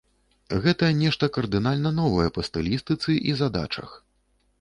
Гэта нешта кардынальна новае па стылістыцы і задачах.